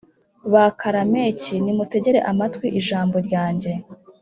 Baka Lameki nimutegere amatwi ijambo ryanjye